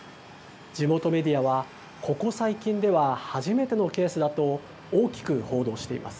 地元メディアは、ここ最近では初めてのケースだと、大きく報道しています。